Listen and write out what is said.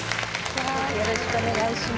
よろしくお願いします。